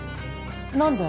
何で？